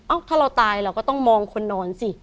ถ้าเราตายเราก็ต้องมองคนนอนสิ